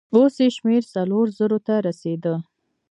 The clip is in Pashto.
اوس يې شمېر څلورو زرو ته رسېده.